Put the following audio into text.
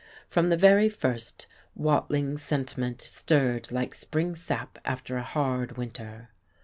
From the very first, Watling sentiment stirred like spring sap after a hard winter.